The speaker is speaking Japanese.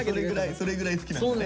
それぐらい好きなんだね。